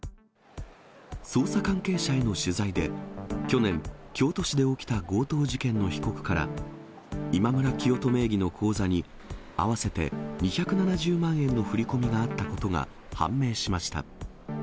捜査関係者への取材で、去年、京都市で起きた強盗事件の被告から、イマムラキヨト名義の口座に、合わせて２７０万円の振り込みがあったことが判明しました。